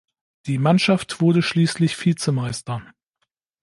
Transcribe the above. Die Mannschaft wurde schließlich Vizemeister.